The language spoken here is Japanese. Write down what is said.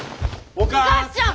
お母ちゃん！